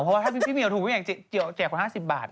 เพราะว่าถ้าพี่เหมียวถูกพี่เหี่ยวแก่กว่า๕๐บาท